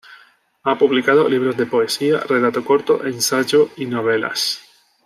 Ha publicado libros de poesía, relato corto, ensayo y novelas.